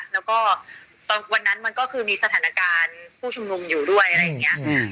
แล้วก็ตอนวันนั้นมันก็คือมีสถานการณ์ผู้ชุมนุมอยู่ด้วยอะไรอย่างนี้